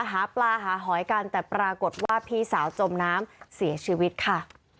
หาปลาหาหอยกันแต่ปรากฏว่าพี่สาวจมน้ำเสียชีวิตค่ะ